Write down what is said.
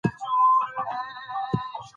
خداى د زړه صبر درکړي، دا به د الله رضا وه.